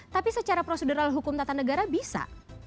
tapi secara prosedural hukum tata negara bisa